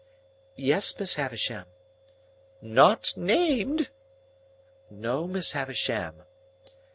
"Yes, Miss Havisham." "Not named?" "No, Miss Havisham."